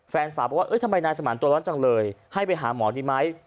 แฟนสาวบอกว่าทำไมนายสมานตัวร้อนจังเลยให้ไปหาหมอดีไหม